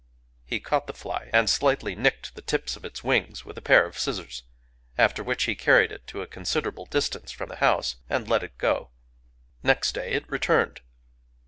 '' He caught the fly, and slightly nicked the tips of its wings with a pair of scissors, — after which he carried it to a considerable distance from the house and let it go. Next day it returned.